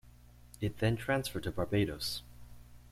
It then transferred to Barbados.